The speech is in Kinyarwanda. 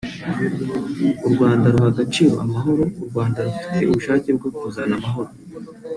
“u Rwanda ruha agaciro amahoro; u Rwanda rufite ubushake bwo kuzana amahoro